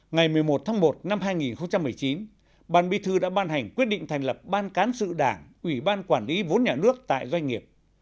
ngày một mươi một tháng một năm hai nghìn một mươi chín ban bi thư đã ban hành quyết định thành lập ban cán sự đảng ủy ban quản lý vốn nhà nước tại doanh nghiệp